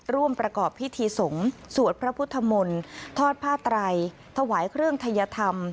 ร่วมประกอบพิธีสงฆ์สวดพระพุทธมนต์ทอดผ้าไตรถวายเครื่องทัยธรรม